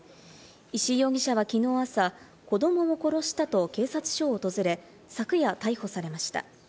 石井容疑者はきのう朝、子どもを殺したと警察署を訪れ、昨夜逮捕されました。